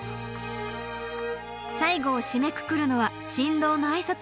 最後を締めくくるのは新郎の挨拶。